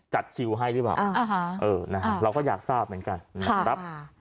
จัดชิวให้หรือเปล่าอ่าฮะเออนะฮะเราก็อยากทราบเหมือนกันค่ะ